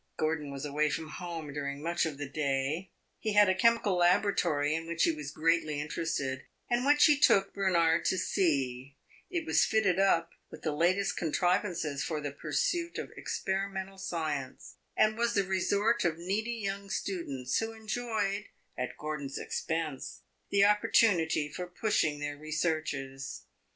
Gordon was away from home during much of the day; he had a chemical laboratory in which he was greatly interested, and which he took Bernard to see; it was fitted up with the latest contrivances for the pursuit of experimental science, and was the resort of needy young students, who enjoyed, at Gordon's expense, the opportunity for pushing their researches.